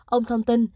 ông thông tin